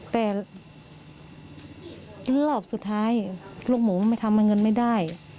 แต่รอบสุดท้ายลูกหมูไม่ทำให้เงินไม่ได้